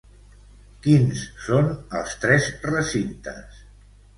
Quins són els tres recintes?